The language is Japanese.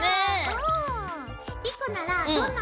うん。